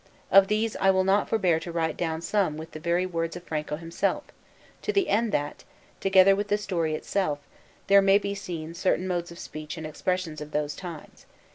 Of these I will not forbear to write down some with the very words of Franco himself, to the end that, together with the story itself, there may be seen certain modes of speech and expressions of those times.